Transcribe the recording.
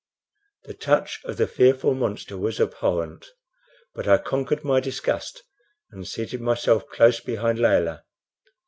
The touch of the fearful monster was abhorrent but I conquered my disgust and seated myself close behind Layelah.